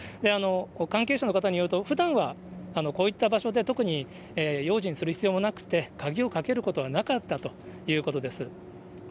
関係者の方によると、ふだんは、こういった場所で特に用心する必要もなくて、鍵をかけることはなかったということです。